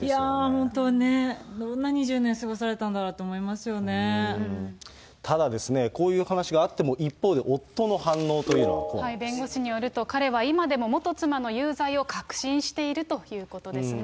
いやー、本当にね、どんな２０年過ごされたんだろうと思いまただ、こういう話があっても、一方で、弁護士によると、彼は今でも元妻の有罪を確信しているということですね。